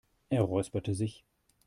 Er räusperte sich.